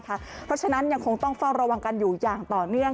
เพราะฉะนั้นยังคงต้องเฝ้าระวังกันอยู่อย่างต่อเนื่อง